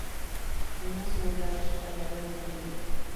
Tomás Morla resulta gravemente herido.